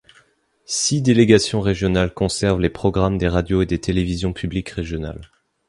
Six délégations régionales conservent les programmes des radios et des télévisions publiques régionales.